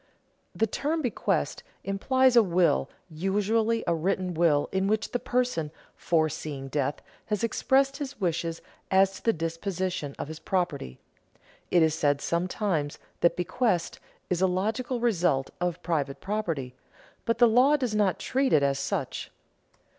_ The term bequest implies a will, usually a written will in which the person, foreseeing death, has expressed his wishes as to the disposition of his property. It is said sometimes that bequest is a "logical" result of private property, but the law does not treat it as such.